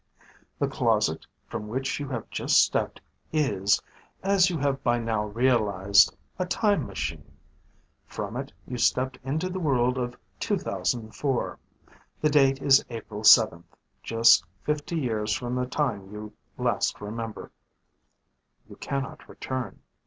"The 'closet' from which you have just stepped is, as you have by now realized, a time machine. From it you stepped into the world of 2004. The date is April 7th, just fifty years from the time you last remember. "You cannot return.